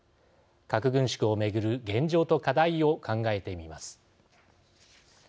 核軍縮を巡る現状と課題を考えてみます。